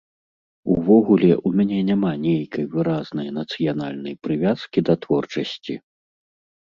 Увогуле, у мяне няма нейкай выразнай нацыянальнай прывязкі да творчасці.